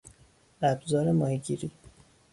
ابزار ماهی گیری